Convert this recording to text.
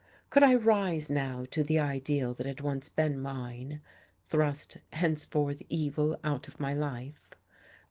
Could I rise now to the ideal that had once been mine, thrust henceforth evil out of my life?